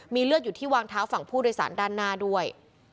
เลือดอยู่ที่วางเท้าฝั่งผู้โดยสารด้านหน้าด้วย